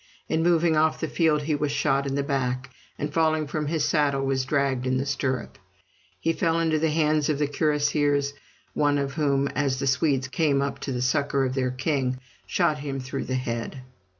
In moving off the field he was shot in the back, and falling from his saddle was dragged in the stirrup. He fell into the hands of the cuirassiers, one of whom, as the Swedes came up to the succor of their king, shot him through the head.